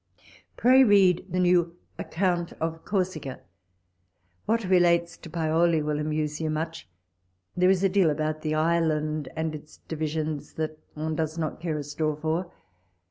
Pray read the new Account of Corsica. What relates to Paoli will amuse you much. There is a deal about the island and its divisions that one does not care a straw for.